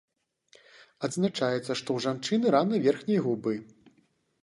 Адзначаецца, што ў жанчыны рана верхняй губы.